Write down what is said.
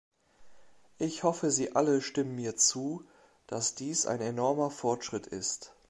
Ich hoffe, Sie alle stimmen mir zu, dass dies ein enormer Fortschritt ist.